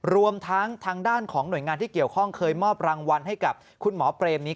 รวมทั้งทางด้านของหน่วยงานที่เกี่ยวข้องเคยมอบรางวัลให้กับคุณหมอเปรมนี้